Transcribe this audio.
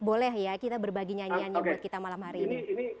boleh ya kita berbagi nyanyiannya buat kita malam hari ini